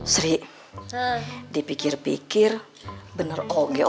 kenapa kau tak panggil ya